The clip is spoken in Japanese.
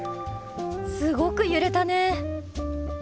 すごく揺れたね。